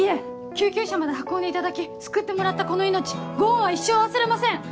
救急車まで運んでいただき救ってもらったこの命ご恩は一生忘れません！